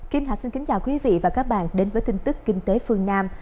kim thạch xin kính chào quý vị và các bạn đến với tin tức kinh tế phương nam